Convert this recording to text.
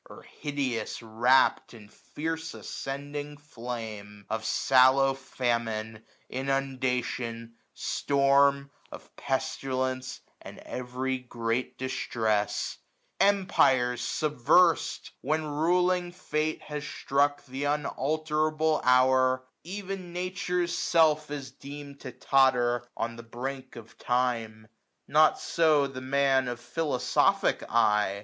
Or hideous wrapt in fierce ascending flame; 11 25 Of sallow famine, inundation, storm ; Of pestilence, and every great distress ; Empires subvers'd, when ruling fate has struck Th* unalterable hour : ev'n Nature's self Is deem'd to totter on the brink of time, 1130 Not so the Man of philosophic eye.